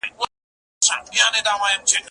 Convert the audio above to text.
زه به سبا د کتابتون د کار مرسته کوم!.